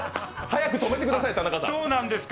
早く止めてください、田中さん。